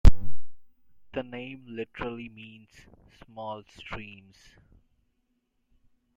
The name literally means "small streams".